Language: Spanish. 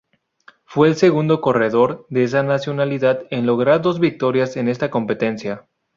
Fue el segundo corredor de esa nacionalidad en lograr dos victorias en esta competencia.